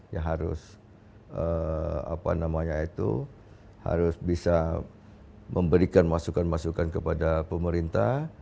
ya harus apa namanya itu harus bisa memberikan masukan masukan kepada pemerintah